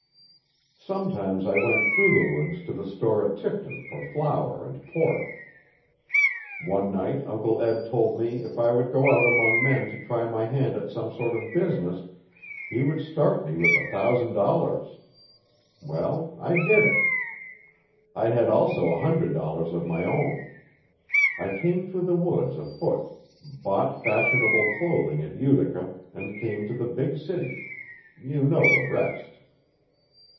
Sometimes I went through the woods to the store at Tifton for flour and pork. One night Uncle Eb told me if I would go out among men to try my hand at some sort of business he would start me with a thousand dollars. Well, I did it. I had also a hundred dollars of my own. I came through the woods afoot. Bought fashionable clothing at Utica, and came to the big city you know the rest.